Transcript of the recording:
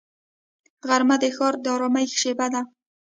غرمه د ښار د ارامۍ شیبه ده